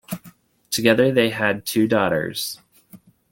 Together, they had two daughters.